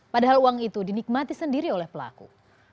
padahal uang itu dinikmati sendiri oleh pelaku